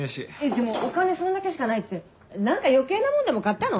でもお金そんだけしかないって何か余計なもんでも買ったの？